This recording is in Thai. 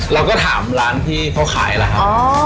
เราก็ถามร้านที่เขาขายล่ะครับ